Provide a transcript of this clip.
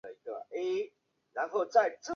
碱韭为葱科葱属的植物。